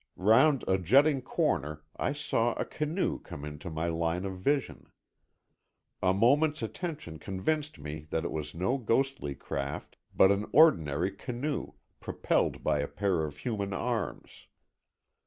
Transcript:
Round a jutting corner I saw a canoe come into my line of vision. A moment's attention convinced me that it was no ghostly craft, but an ordinary canoe, propelled by a pair of human arms.